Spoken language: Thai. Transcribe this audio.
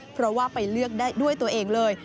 เพราะว่าไปเลือกได้ด้วยตัวเองเลย